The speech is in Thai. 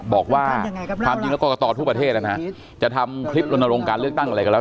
บอกว่าความจริงแล้วกรกตทั่วประเทศนะฮะจะทำคลิปลนลงการเลือกตั้งอะไรก็แล้ว